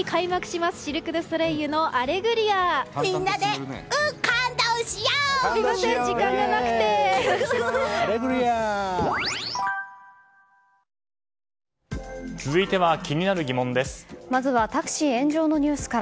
まずはタクシー炎上のニュースから。